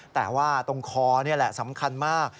แต่ว่าตรงคอนี่แหละสำคัญมาก